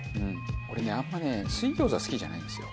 俺ねあんまね水餃子好きじゃないんですよ。